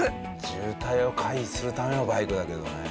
渋滞を回避するためのバイクだけどね。